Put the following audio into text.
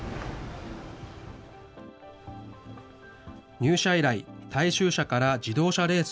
入社以来、大衆車から自動車レース